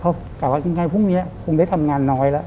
เขากลับว่ายังไงพรุ่งนี้คงได้ทำงานน้อยแล้ว